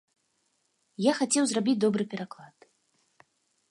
Я хацеў зрабіць добры пераклад.